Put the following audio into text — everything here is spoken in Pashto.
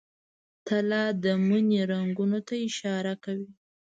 تله د مني رنګونو ته اشاره کوي.